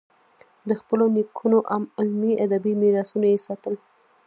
د خپلو نیکونو علمي، ادبي میراثونه یې ساتل.